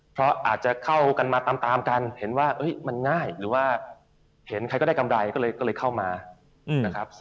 เพราะอาจจะเข้ากันมาตามกันเห็นว่ามันง่ายหรือว่าเห็นใครก็ได้กำไรก็เลยเข้ามานะครับ